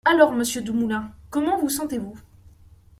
Alors Monsieur Dumoulin, comment vous sentez-vous?